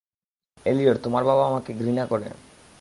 Elliot, তোমার বাবা আমাকে ঘৃনা করে।